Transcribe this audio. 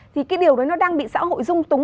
thì cái điều đó nó đang bị xã hội rung túng